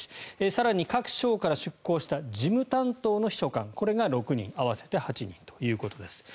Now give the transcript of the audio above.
更に、各省から出向した事務担当の秘書官これが６人合わせて８人ということです。